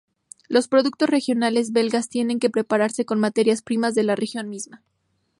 Los productos regionales belgas tienen que prepararse con materias primas de la región misma.